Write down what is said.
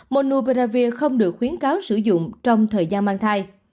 monoubravir không được khuyến cáo sử dụng trong thời gian mang thai